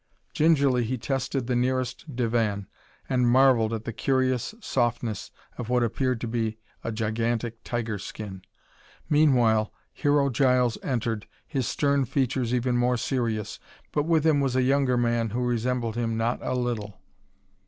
Gingerly he tested the nearest divan and marvelled at the curious softness of what appeared to be a gigantic tiger skin. Meanwhile Hero Giles entered, his stern features even more serious, but with him was a younger man who resembled him not a little.